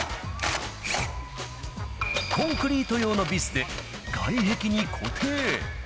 コンクリート用のビスで外壁に固定。